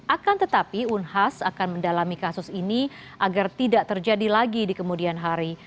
akan tetapi unhas akan mendalami kasus ini agar tidak terjadi lagi di kemudian hari